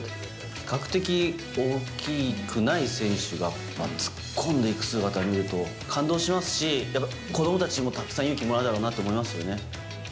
比較的大きくない選手が突っ込んでいく姿を見ると感動しますし、やっぱ子どもたちも、たくさん勇気をもらえるだろうなと思います